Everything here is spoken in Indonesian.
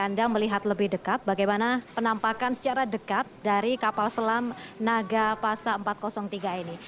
saya ingin melihat lebih dekat bagaimana penampakan secara dekat dari kapal selam naga pasa empat ratus tiga ini